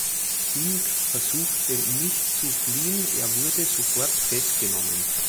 Singh versuchte nicht zu fliehen, er wurde sofort festgenommen.